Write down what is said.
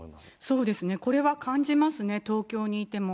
そうですね、これは感じますね、東京にいても。